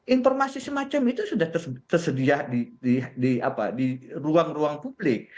informasi semacam itu sudah tersedia di ruang ruang publik